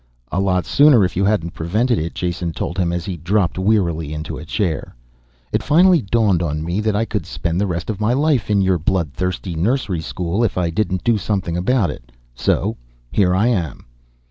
"A lot sooner if you hadn't prevented it," Jason told him as he dropped wearily into a chair. "It finally dawned on me that I could spend the rest of my life in your blood thirsty nursery school if I didn't do something about it. So here I am."